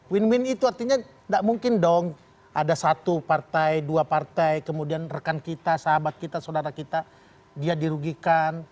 win win itu artinya tidak mungkin dong ada satu partai dua partai kemudian rekan kita sahabat kita saudara kita dia dirugikan